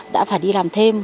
đã phải đi làm thêm